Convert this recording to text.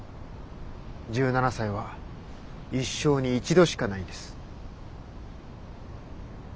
１７才は一生に一度しかないんです。